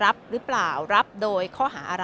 ก็ไม่ได้รับแจ้งจากตำรวจแต่ว่าเรายังไม่ได้รับแจ้งจากตำรวจ